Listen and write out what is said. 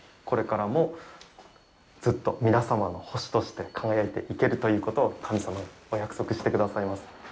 これからもずっと皆様の星として輝いていけるということを神様はお約束してくださいます。